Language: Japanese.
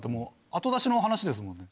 後出しの話ですもんね。